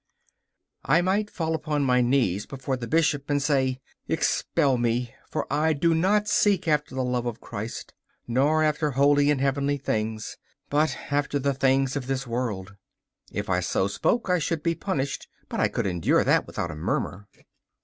I might fall upon my knees before the Bishop and say: 'Expel me, for I do not seek after the love of Christ, nor after holy and heavenly things, but after the things of this world.' If I so spoke, I should be punished, but I could endure that without a murmur.